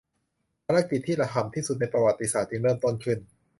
ภารกิจที่ระห่ำที่สุดในประวัติศาสตร์จึงเริ่มต้นขึ้น